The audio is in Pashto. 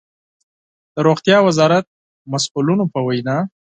د روغتيا وزارت مسؤلانو په وينا